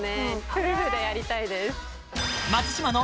夫婦でやりたいです